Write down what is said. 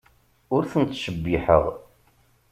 Ur ten-ttcebbiḥeɣ.